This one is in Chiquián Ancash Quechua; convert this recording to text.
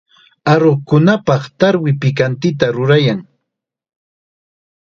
Aruqkunapaq tarwi pikantita rurayan.